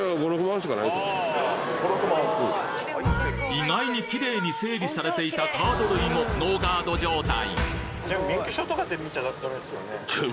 意外にキレイに整理されていたカード類もノーガード状態